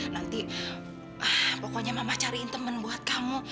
nanti ah pokoknya mama cariin temen buat kamu